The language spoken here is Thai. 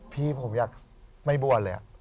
พี่ผมอยากไม่บัวเลย